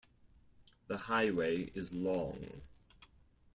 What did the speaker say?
The highway is long.